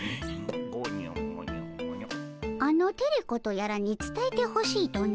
あのテレ子とやらにつたえてほしいとな？